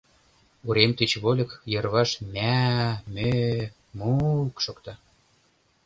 Урем тич вольык, йырваш мя-а-а, мӧ-ӧ, му-у-ук шокта.